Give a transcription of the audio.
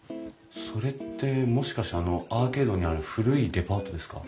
それってもしかしてアーケードにある古いデパートですか？